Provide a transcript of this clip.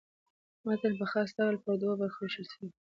متن په خاص ډول پر دوو برخو وېشل سوی.